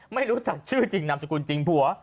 ไม่รู้จักชื่อจริงนามสกุลจริงผัว